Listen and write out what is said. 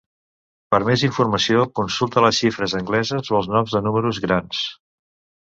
Per més informació, consulta les xifres angleses o els noms de números grans.